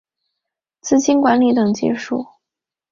资金管理等技术